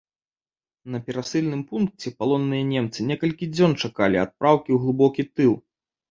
На перасыльным пункце палонныя немцы некалькі дзён чакалі адпраўкі ў глыбокі тыл.